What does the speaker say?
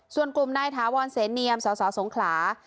ส่วนกลุ่มนายถาวรเสนเนียมสสสงขลา